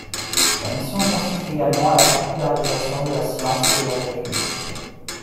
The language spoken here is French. Sa mission consiste également à la popularisation de la science et de la technique.